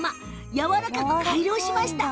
やわらかく改良しました。